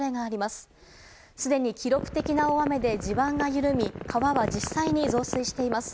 すでに記録的な大雨で地盤が緩み川は実際に増水しています。